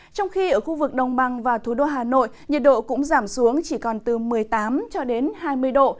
trong khi ở khu vực đồng bằng và thủ đô hà nội nhiệt độ cũng giảm xuống chỉ còn từ một mươi tám cho đến hai mươi độ